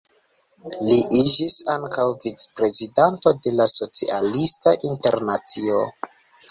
Li iĝis ankaŭ vicprezidanto de la Socialista Internacio.